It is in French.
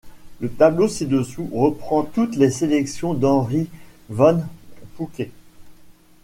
Le tableau ci-dessous reprend toutes les sélections d'Henri Van Poucke.